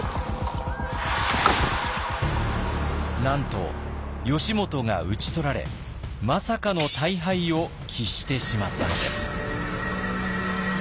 なんと義元が討ち取られまさかの大敗を喫してしまったのです。